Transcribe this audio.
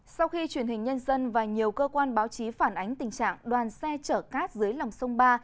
sau khi truyền hình nhân dân và nhiều cơ quan báo chí phản ánh tình trạng đoàn xe chở cát dưới lòng sông ba